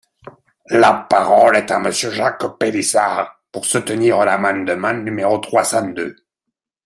La parole est à Monsieur Jacques Pélissard, pour soutenir l’amendement numéro trois cent deux.